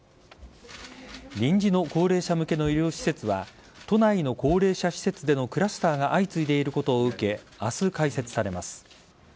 臨時の高齢者向けの医療施設は都内の高齢者施設でのクラスターが相次いでいることを受け明日開設されます。